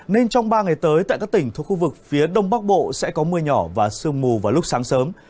nên trong ba ngày tới tại các tỉnh thuộc khu vực phía đông bắc bộ sẽ có mưa nhỏ và sương mù vào lúc sáng sớm